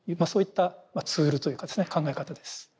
そういったツールというかですね考え方です。